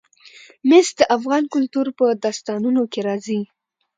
مس د افغان کلتور په داستانونو کې راځي.